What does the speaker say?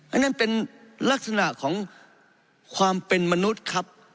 อันนั้นเป็นลักษณะของความเป็นมนุษย์ครับ